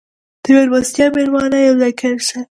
• د میلمستیا مېلمانه یو ځای کښېناستل.